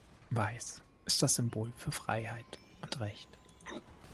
Weiß ist das Symbol für Freiheit und Recht.